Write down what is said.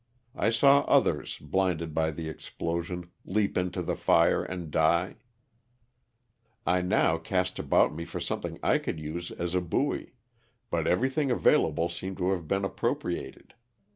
I saw others, blinded by the explosion, leap into the fire and die. I now cast about me for something I could use as a buoy, but everything available seemed to have been appropriated.